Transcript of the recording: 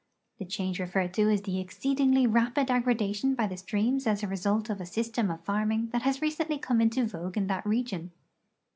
The change re ferred to is the exceedingly rapid aggradation b}' the streams as a result of a system of farming that has recently come into vogue in that region.